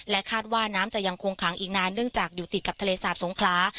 คาดว่าน้ำจะยังคงขังอีกนานเนื่องจากอยู่ติดกับทะเลสาบสงคลา